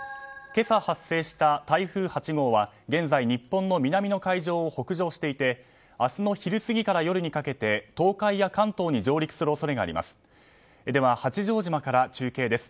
今朝、発生した台風８号は現在、日本の南の海上を北上していて明日の昼過ぎから夜にかけて東海や関東に上陸する恐れがあります。